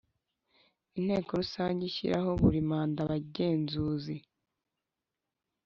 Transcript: Inteko Rusange ishyiraho buri manda abagenzuzi